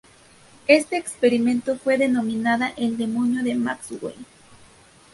Este experimento fue denominada el Demonio de Maxwell.